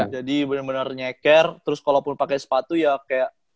jadi bener bener nyeker terus kalau pun pakai sepatu ya kayak